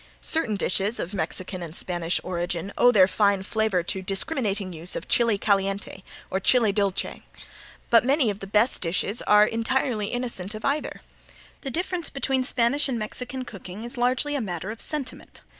Certain dishes of Mexican and Spanish origin owe their fine flavor to discriminating use of chili caliente or chili dulce, but many of the best dishes are entirely innocent of either. The difference between Spanish and Mexican cooking is largely a matter of sentiment.